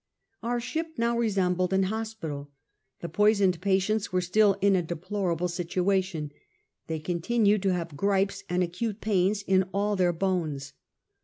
Our ship now resembled an hospital. The poisoned patients were still in a deplorable situation ; they continued to have gripes and acute pains in all their bones.